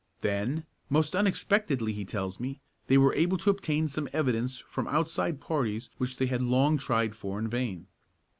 Then, most unexpectedly he tells me, they were able to obtain some evidence from outside parties which they had long tried for in vain.